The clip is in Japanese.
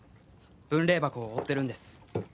分霊箱を追ってるんです